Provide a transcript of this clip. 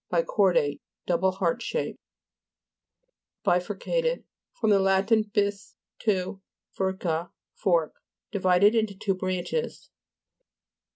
Bicordate ; double heart shaped. BI'FURCATED fr. lat. bis, two, furca, fork. Divided into two branches.